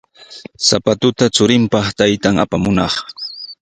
Sapatuta churinpaq taytan apamunaq.